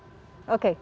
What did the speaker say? sudah mudah mudah mudah